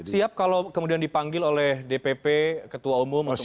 siap kalau kemudian dipanggil oleh dpp ketua umum atau